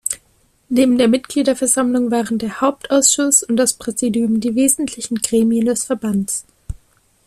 Neben der Mitgliederversammlung waren der Hauptausschuss und das Präsidium die wesentlichen Gremien des Verbands.